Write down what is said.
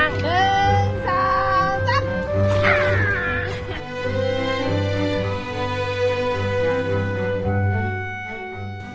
หนึ่งสามสาม